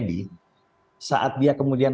di makanan kasih asia tetaran